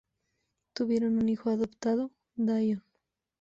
Tuvieron un hijo adoptado, Dion.